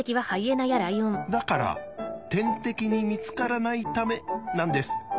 だから天敵に見つからないためなんです。